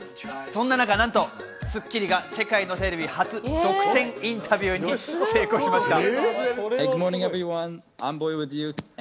そんな中、なんと『スッキリ』が世界のテレビ初独占インタビューに成功しました。